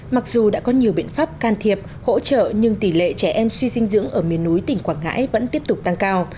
mặc dù đã có nhiều biện pháp can thiệp hỗ trợ nhưng tỷ lệ trẻ em suy dinh dưỡng ở miền núi tỉnh quảng ngãi vẫn tiếp tục tăng cao